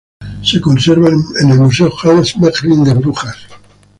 Se conserva en el Museo Hans Memling de Brujas.